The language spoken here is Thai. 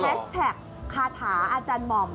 แฮชแท็กคาถาอาจารย์หม่อม